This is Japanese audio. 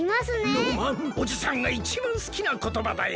ロマンおじさんがいちばんすきなことばだよ。